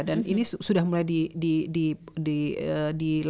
dan ini sudah mulai